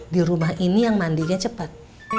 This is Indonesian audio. di rumah ini yang mandinya cepat